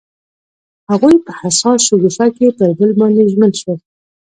هغوی په حساس شګوفه کې پر بل باندې ژمن شول.